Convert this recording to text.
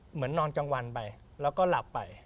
นอนกลางวันไปแล้วก็หลับไป